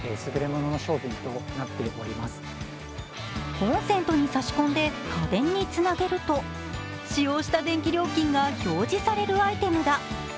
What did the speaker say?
コンセントに差し込んで家電につなげると、使用した電気料金が標示されるアイテムだ。